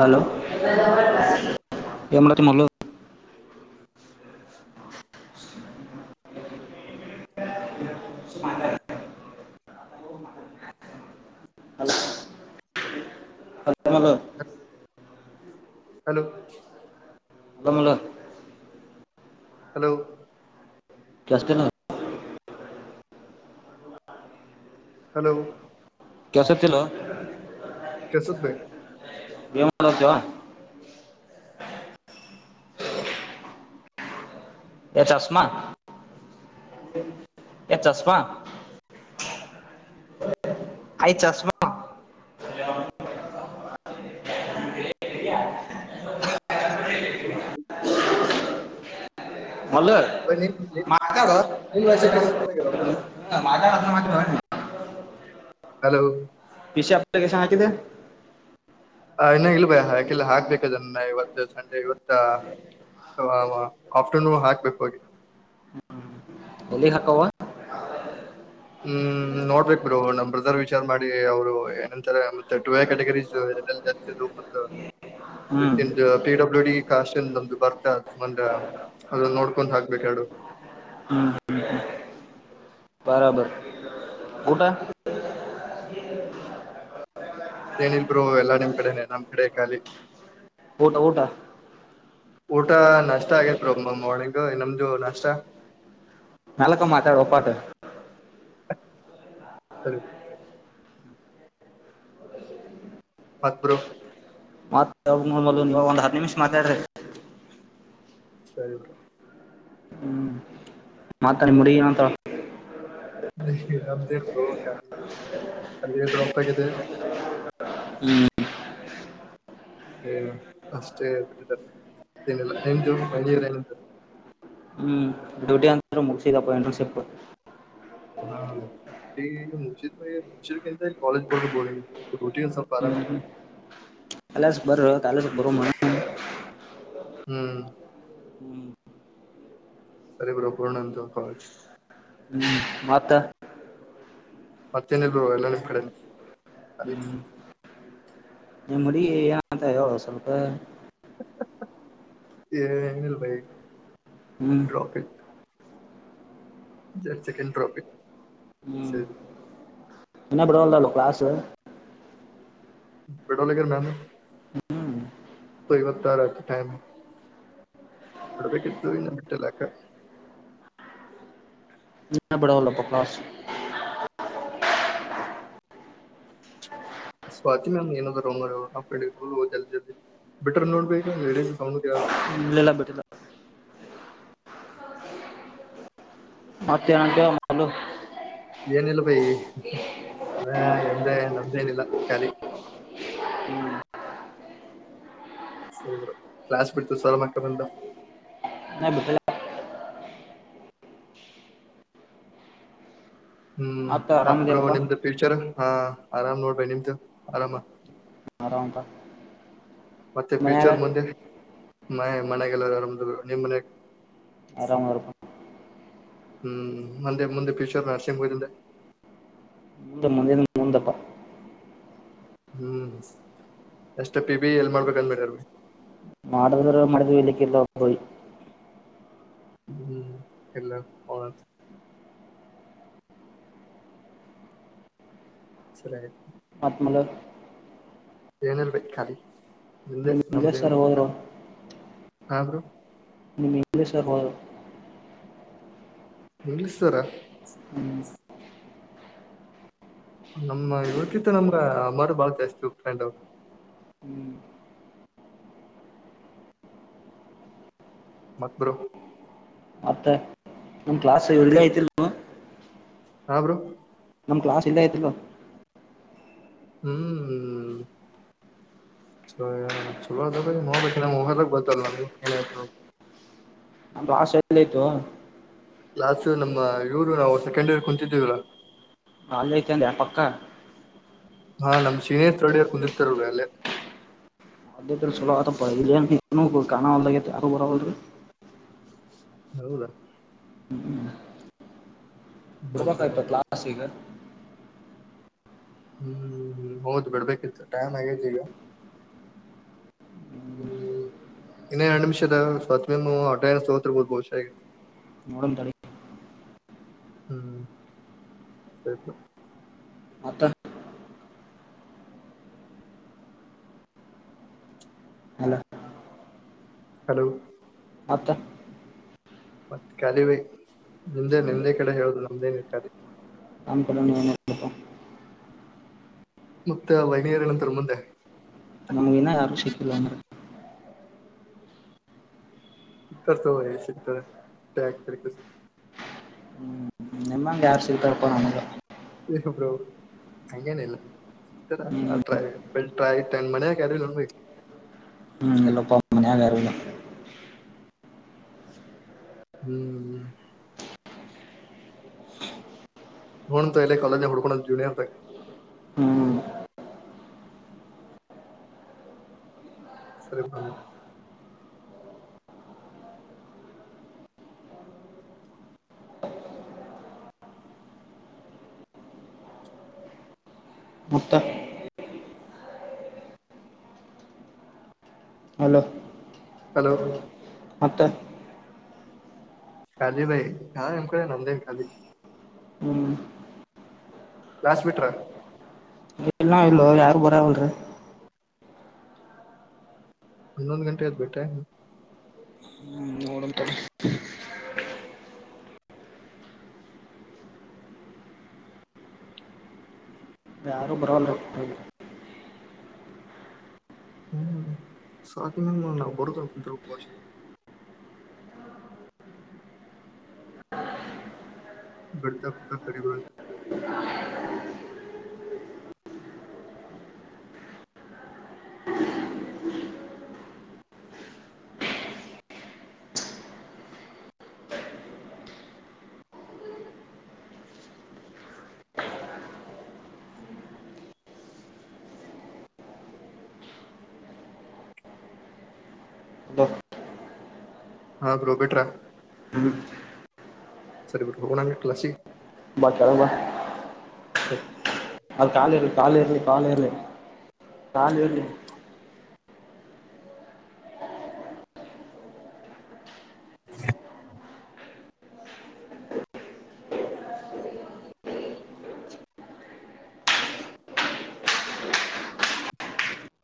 Hello ಯೇನ್ಮಾಡತಿ Mallu [inaudible] ಹಲಲೋ [unintelligible] hello Kamala hello ಕ್ಯಾಸ್ಟ್ಟೇನ್ನದ hello ಕೆಸ ತಿ [unintelligible] ಕಸ ಭ [unintelligible] ಏನ್ ಮಾಡೋತ್ತ್ಯವಾ ಎ ಚಸ್ಮಾ ಎ ಚಸ್ಮಾ ಆಯ್ ಚಸ್ಮಾ ಮಲ್ಲೂ ಮ ತ್ಯಾಡೊ ಕೆಲ್ಸ ಆಟ ಆಟ ಮಾಡ ಭ [unintelligible] [inaudible] ಹಲೋ ಪಷ ಕಸ [unintelligible] ಕಿದೆ ಆ ಇನ್ನ ಇಲ್ಬೆ ಹಾಕಿಲ್ಲ ಹಾಕ್ಬೇಕು ನ್ನ ಇವತ್ತು ಸಂಡೆ ಇವತ್ತ ಆಫ್ಟರ್ನೂನ್ ಹಾಕ್ಬೇಕು ಹೋಗಿ ಎಲ್ಲಿ ಹಕವಾ ಹ್ಮ್ ನೋಡ್ಬೇಕ್ ಬ್ರೋ ನಮ್ ಬ್ರದರ್ ವಿಚಾರ್ ಮಾಡಿ ಅವ್ರು ಏನಂತಾರೆ ಟೂ ಏ ಕೆಟಗರಿ ಇರುದೆಲ್ ಜಾಸ್ತಿದುದು ಮ ಹ್ಮ್ [unintelligible] ಪಿಡಬ್ಲ್ಯೂ ಡಿ ಷ್ಟಿಂದೊ್ದ ಬರ್ತ ಮಂದೆ ಅದನ್ನ ನೋಡ್ಕೊಂಡ್ ಹಾಕ್ಬೇಕ ಎರಡು ಹ್ಮ ಬರಬರ ಊಟಾ ಏನಿಲ್ಬೋ ಎಲ್ಲಾ ನಿಮ್ ಕಡೆನೆ ನಮ್ ಕಡೆ ಖಾಲಿ ಊಟ ಊಟ ಊಟ ನಷ್ಟ ಆಗಿತ್ತು ರೊಂಬ ಮಳಕು ನಮ್ದು ನಾಷ್ಟ ಮೆಲ್ಲಕ ಮಾತಾಡೋ ಪಾ ಅಟ್ ಸರಿ ಮತ್ ಬ್ರೋ ಮತ್ತೊ ಒಂದ್ ಹತ್ತು ನಿಮಿಷ್ ಮಾತಾಡ್ರಿ ಸರಿ ಹ್ಮ್ ಮತ್ತ ನಿಮ್ಮ ಹುಡುಗಿ ಏನಂತಾಳ ನೀ ನ ಅಲ್ಲಿ ್ರೋಪ್ಪತೆ ಹ್ಲಿ ಏ ಅಷ್ಟೇ ಬಿಿಟ್ಟಿದ್ದಾರೆ ಏನಲ್ಲ ಏ ಮ ಏನ ಹ್ಮ್ ಡ್ಯೂಟಿ ಅಂತ ಮುಗಸಿದಪ್ಪ ಇಂಟರ್ನ್ಶಿಪ್ ಹಾ ರೋಟಿ ಮುರ್ಶದ ಮ ಮುರ್ಶದ ಕಂತ ಕಾಲಜ ಪಡತ ಬ ಡ್ಯೂಟಿ ಸ್ವಲ್ಪ ಆರಾಮ ಅಲ್ಲಸ್ ಬರ್ರ ಕಾಲೇಜ್ಗ್ ಬರುಮಾ ಹ್ಮ್ ಸರಿ ಬಿಡು ಬರುನಂತ ಕಾಲೇಜ್ ಹ್ಮ ಮತ್ತ ಮತ್ತೇನಲ್ ಎಲ್ಲ ನಿಮ್ ಕಡೆ ಅರಿ ನಿಮ್ಮುಡುಗಿ ಏನಂತ ಹೇಳೋ ಸ್ವಲ್ಪ ಏ ಎನಲ್ಲ ಭಯ ಹ್ಮ್ ಚಿಕನ್ ಟ್ರಾಪಿಕ್ ಹ್ಮ್ ಸರಿ ಇನ್ನ ಬಿಡಲ್ಲ ಅದು ಕ್ಲಾಸ್ ಬಿಡವಲ್ ರಗ್ಯಾರ್ ನನ್ನ ಹ್ಮ್ ಸರಿ ಬತ್ತತಾರತ ಟೈಮ ಬಿಡಬೇಕಿತ್ತು ಇನ್ನ ಬಿಟ್ಟಿಲ್ಯಾಕ ಇನ್ನ ಬಿಡಲ್ಲಪ್ಪ ಕ್ಲಾಸ್ ಸ್ವಾತಿ ಮ್ಯಾಮ್ ಏನದವರು ಅವರ ಮಾರಾಯ ಜಲ್ದಿ ಜಲ್ದಿ ಬಿಟ್ರು ನೋಡಿದರೆ ಲೇಡೀಸ್ ಸೌಂಡ್ ಕೆಳಕತ್ತಿ ಇಲ್ಲಿಲ್ಲ ಬಿಟ್ಟಿಲ್ಲ. ಮತ್ತೇನಂತಿಯ ಮಲ್ಲು. ಅ ನಿಮ್ದೇ ನಮ್ದೇನಿಲ್ಲ ಖಾಲಿ. ಹ್ಮ್ ಹ ಕ್ಲಾಸ್ ಬಿಡ್ತ ಸರ್ ಮಕ್ಕ ಬಂದ. ನ ಬಿಟ್ಟಲ. ಹ್ಮ್ ಮತ್ತ ಮತ್ ಬ್ರೋ ಆರಾಮದಿಯಲ್ಲಪ್ಪ ನಿಮ್ದ ಫ್ಯೂಚರ್. ಹಾ ಆರಾಮ್ ನೋಡ್ಬೇ ನಿಮ್ದು ಆರಾಮ. ಆರಾಮಪಾ. ಮತ್ತೆ ಫ್ಯೂಚರ್ ಮುಂದೆ. ಮನೆ ಮನೆಯಗೆಲ್ಲರಮ್ದ ನಿಮ್ ಮನೆಗ. ಆರಾಮ. ಹ್ಮ್ ಅಂದೆ ಮುಂದೆ ಫ್ಯೂಚರ್ ಅಸಂಭವೇನು ಇಲನ. ಮುಂದಿನ ಮುಂದ. ಹ್ಮ್ ಎಷ್ಟ ಬಿ ಬಿ ಎಲ್ ಮಾಡ್ಬೇಕಂದಬೇಡಗ. ಮಡಿದರ ಮಡಿದವಿ ಇಲ್ಲಕ್ಕಿಲ್ಲ ಕೋಡಿ. ಹ್ಮ್ ಎಲ್ಲ ಹದು. ಸರಿ ಅಯ್ತು. ಮತ್ಮಲ. ಏನೇಲ್ಬೇಕ ಖಾಲಿ. ನಿಮ್ದೆ ನಿಮಗೆ ನಮ್ದೇನು ಸರ್ವರು. ಹಾ. [inaudible] ನಿಮ್ ಇಂಗ್ಲಿಷ್ ಸರ್ ಹೋದರು. English sir. ಹ್ಮ. ನಮ್ಮ ಊಟಿತ್ತು ನಮ್ಗ ಮರು ಬಾಳ ಜಾಸ್ತಿ ಫ್ರೆಂಡ್ ಅವರು. ಹ್ಮ್ ಮತ್ತ ಬ್ರೋ. ಮತ್ತೆ ನಮ ಕ್ಲಾಸ್ ಇರ್ದ ಐತಿಲ್. ಹ ಬ್ರೋ. ನಮ್ಮ್ ಕ್ಲಾಸ್ ಇಲ್ಲ ಆಯ್ತಿಲ್ಲ. ಹ್ಮ ಚಲ ಅದು ನೋಡಬೇಕು ಏನಾಗುತ್ತೆ ಅಂತ. ಅ ಭಾಷೆ ಎಲ್ಲೋಯ್ತು. ಕ್ಲಾಸ್ ನಮ್ಮ ಇವರು ನಾವು ಸೆಕೆಂಡ್ ಇಯರ್ ಕುಂತಿದೀವರ. ನಾಲ್ಐತೆಂದ ಆ ಪಕ್ಕ. ಹಾ ನಮ್ ಸೀನಿಯರ್ ಥರ್ಡ್ ಇಯರ್ ಕುಂಡ್ರಿತಾಳ ಅಲ್ಲೇ. ಅದ ಸಲೋ ಕಾಣದ ಯಾರು ಬರವಲರು. ಹೌದಾ. ಹ್ಮ. ನೋಡ್ತೀನಿ ಬಿಡ್ಬೇಕಾಯ್ತ ತಗೊಳ್ರಿ ಅವ್ರು. ಕ್ಲಾಸ್ ಈಗ. ಹ್ಮ್ ಹೌದು್ ಬಿಡ್ಬೇಕಿತ್ತು ಟೈಮ್ ಆಗೇತಿ ಈಗ ಹ್ಮ ಇನ್ನ ಎರಡು ನಿಮಿಷದ ಸ್ವ ಅಟೆಂಡೆನ್ಸ್ ತಗೋತಿರ್ಬೋದು ಬಹುಶ ಈಗ. ನೋಡಮ್ ತಡಿ. ಹ್ಮ್ ಸರಿ. ಮತ್ತ ಅಲ್ಲ ಹಲೋ ಹತ್ತ ಮತ್ ಕಾಲಿವೈ ನಿಂದೆ ನಿಂದೆ ಕಡೆ ಹೇಳುದು ನಮ್ದೇನ ಇರ್ ಕಾಲೆ. ನಮ್ ಕಡೆನು ಏನು ಇಲ್ಲಪ್ಪ. ಮತ್ತ ವೈನಯರ ಏನಂತರ ಮುಂದೆ. ಇನ್ನು ಯಾರು ಸಿಕ್ಕಿಲ್ಲ ಅಣ್ಣ. ಸಿಗ್ತಾರೆ ತಗೊಳ್ಳಿ ಸಿಕ್ತಾರೆ ಯಾಕ್ ತಲೆ ಕೆಡಿಸ್ಕೋತ್ರಿ. ನಿಮ್ಮಂಗೆ ಯಾರು ಸಿಕ್ತಾರಪ್ಪ ನನಗ. ಇಲ್ಲ ಬ್ರೋ ಹಂಗೇನಿಲ್ಲ. [unintelligible] ಹ್ಮ್ ಅಟ್ರ [unintelligible] ಮನೆಗ್ಯಾರು ಇಲ್ಲ. ಹ್ಮ್ ಹ್ಮ್ ಹು ತಲೆ ಕಾಲಜ ಹುಡುಕೊಂಡ ಜುನಿಯರ್ ತಕ. ಹ್ಮ್ ಸರಿಪಾ. ಮುತ್ತ. Hello hello. ಮತ್ತ ಕಾಲಿ ಭಾಯ ಹಾ ಎಮ ಕಡೆ ನಂದೇ ಕಾಲಿ. ಹ್ಮ್ ಕ್ಲಾಸ್ ಬಿಟ್ರ್. ಎಲ್ಲ ಇಲ್ಲವ ಯಾರು ಬರಾವಲ್ರ. ಹನ್ನೊಂದ್ ಗಂಟೆ ಆದ್ಬಿಟೆ ಟೈಮ್. ಹ್ಮ್ ನೋಡಮ್ ತಡಿ ಆರೂ ಬರ ವಲ್ರ್. ಹ್ಮ್ ಸಾಕ [unintelligible] ಭಾಷೆ. ಬರ್ತಾ [unintelligible] ಹಲೋ ಹಾ ಬ್ರೊ ಬಿಟ್ರ. ಹ್ಮ್ ಸರಿ ಬಿಡು ಹೋಗೋಣ ಕ್ಲಾಸಿಗೆ. ಬಾ ಕೆಳ್ಗ ಬಾ. ಸರಿ. ಅಲ್ಲಿ ಕಾಲ್ ಇರಲಿ ಕಾಲ್ ಇರಲಿ ಕಾಲ್ ಇರಲಿ.